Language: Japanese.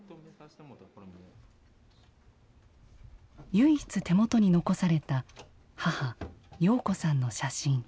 唯一手元に残された母洋子さんの写真。